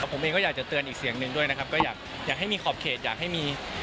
ผมเองก็อยากจะเตือนอีกเสียงหนึ่งด้วยนะครับก็อยากให้มีขอบเขตอยากให้มี